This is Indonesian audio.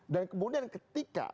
dan kemudian ketika